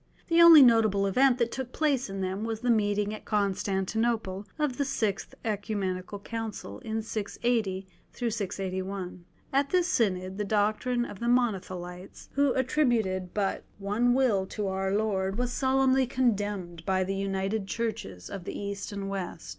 The only notable event that took place in them was the meeting at Constantinople of the Sixth Oecumenical Council in 680 1. At this Synod, the doctrine of the Monothelites, who attributed but one will to Our Lord, was solemnly condemned by the united Churches of the East and West.